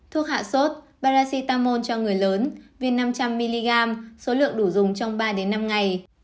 thuốc hạ sốt parasitamol cho người lớn viên năm trăm linh mg số lượng đủ dùng trong ba năm ngày